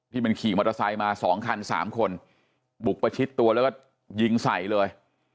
มันขี่มอเตอร์ไซค์มา๒คัน๓คนบุกประชิดตัวแล้วก็ยิงใส่เลย